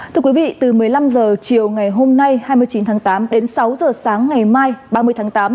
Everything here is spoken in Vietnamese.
thưa quý vị từ một mươi năm h chiều ngày hôm nay hai mươi chín tháng tám đến sáu h sáng ngày mai ba mươi tháng tám